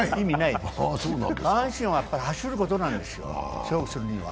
下半身はやっぱり走ることなんですよ、勝負するには。